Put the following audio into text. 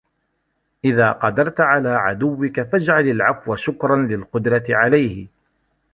إذَا قَدَرْت عَلَى عَدُوِّك فَاجْعَلْ الْعَفْوَ شُكْرًا لِلْقُدْرَةِ عَلَيْهِ